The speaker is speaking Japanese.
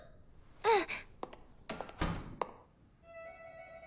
うん！